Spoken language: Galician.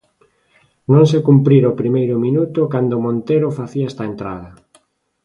Non se cumprira o primeiro minuto cando Montero facía esta entrada.